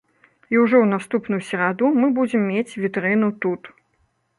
І ўжо ў наступную сераду мы будзем мець вітрыну тут.